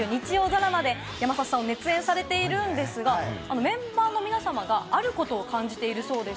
『だが、情熱はある』という日曜ドラマで山里さんを熱演されているんですが、メンバーの皆さまがあることを感じているそうです。